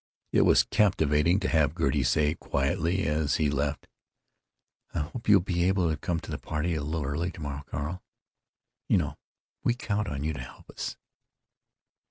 It was captivating to have Gertie say, quietly, as he left: "I hope you'll be able to come to the party a little early to morrow, Carl. You know we count on you to help us."